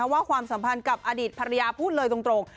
ความสัมพันธ์กับอดีตภรรยาพูดเลยตรง